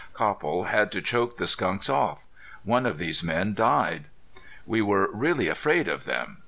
Copple had to choke the skunks off. One of these men died. We were really afraid of them.